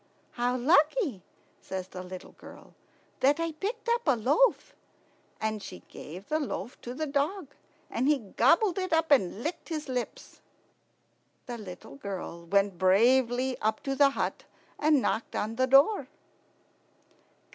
"How lucky," says the little girl, "that I picked up a loaf!" And she gave the loaf to the dog, and he gobbled it up and licked his lips. The little girl went bravely up to the hut and knocked on the door.